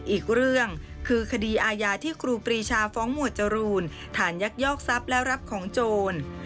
อีกเรื่องคือคดีอาญาที่ครูปรีชาฟ้องหมวดจรูนฐานยักยอกทรัพย์และรับของโจร